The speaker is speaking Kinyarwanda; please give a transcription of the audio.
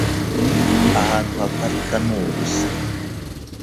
Ahantu haparika ni ubusa .